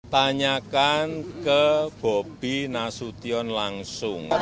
tanyakan ke bobi nasution langsung